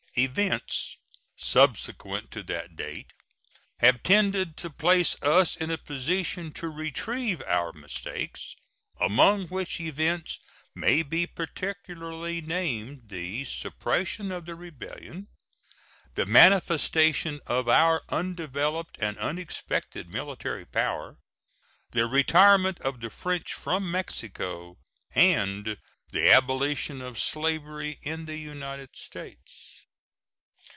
Events subsequent to that date have tended to place us in a position to retrieve our mistakes, among which events may be particularly named the suppression of the rebellion, the manifestation of our undeveloped and unexpected military power, the retirement of the French from Mexico, and the abolition of slavery in the United States.